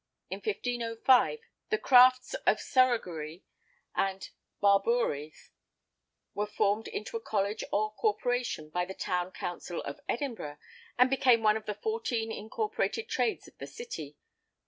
In 1505 the "craftes of Surregeury and Barbouris" were |6| formed into a college or corporation, by the town council of Edinburgh, and became one of the fourteen incorporated trades of the city.